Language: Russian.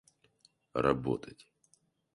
работать